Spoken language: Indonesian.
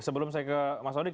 sebelum saya ke mas wadik